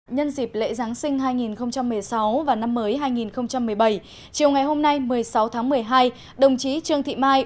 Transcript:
nhân dịp lễ giáng sinh hai nghìn một mươi sáu và năm mới hai nghìn một mươi bảy chiều ngày hôm nay một mươi sáu tháng một mươi hai đồng chí trương thị mai